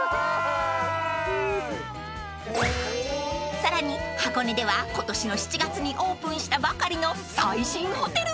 ［さらに箱根では今年の７月にオープンしたばかりの最新ホテルへ］